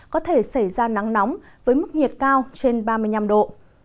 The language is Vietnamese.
có thể xảy ra nắng nóng với mức nhiệt cao trên ba mươi năm độ